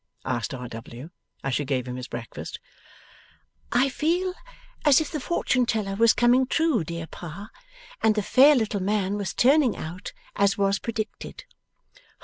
asked R. W., as she gave him his breakfast. 'I feel as if the Fortune teller was coming true, dear Pa, and the fair little man was turning out as was predicted.